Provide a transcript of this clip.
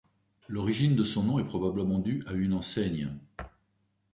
L'origine de son nom est probablement due à une enseigne.